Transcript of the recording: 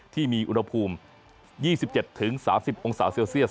ที่มีอุณหภูมิ๒๗๓๐องศาเซลเซียส